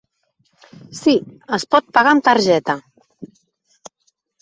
Sí, es pot pagar amb targeta.